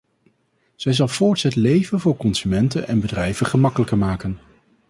Zij zal voorts het leven voor consumenten en bedrijven gemakkelijker maken.